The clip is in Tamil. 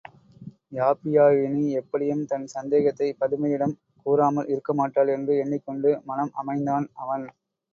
யாப்பியாயினி எப்படியும் தன் சந்தேகத்தைப் பதுமையிடம் கூறாமல் இருக்கமாட்டாள் என்று எண்ணிக்கொண்டு மனம் அமைந்தான் அவன்.